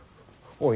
おい！